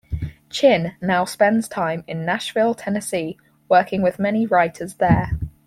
Chinn now spends time in Nashville, Tennessee, working with many writers there.